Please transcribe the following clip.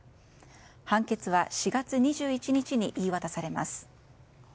判決は４月２１日に言い渡されます。